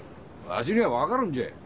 わしには分かるんじゃ！